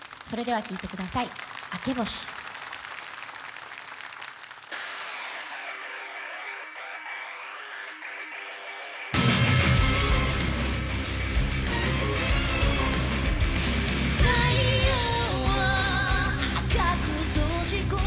それでは聴いてください